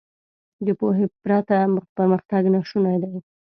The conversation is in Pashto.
• د پوهې پرته پرمختګ ناشونی دی.